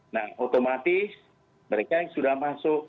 nah otomatis mereka yang sudah masuk